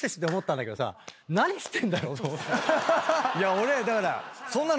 俺だから。